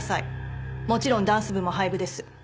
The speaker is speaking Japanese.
もちろんダンス部も廃部です。